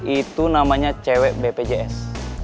itu namanya cewek bpjs